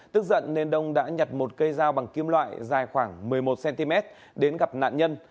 tức giận nên đông đã nhặt một cây dao bằng kim loại dài khoảng một mươi một cm đến gặp nạn nhân